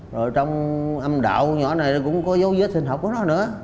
rồi trong âm đạo nhỏ này cũng có dấu vết sinh học của nó nữa